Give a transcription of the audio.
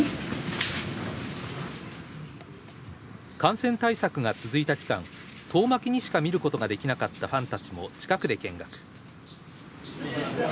感染対策が続いた期間遠巻きにしか見ることができなかったファンたちも近くで見学。